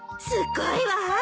すごいわ。